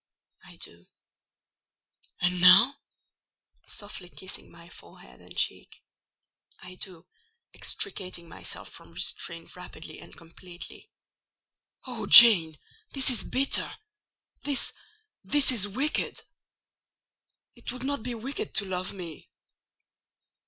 "I do." "And now?" softly kissing my forehead and cheek. "I do," extricating myself from restraint rapidly and completely. "Oh, Jane, this is bitter! This—this is wicked. It would not be wicked to love me."